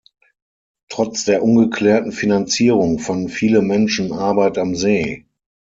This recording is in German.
Trotz der ungeklärten Finanzierung fanden viele Menschen Arbeit am See.